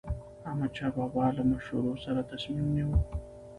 احمدشاه بابا به له مشورو سره تصمیم نیوه.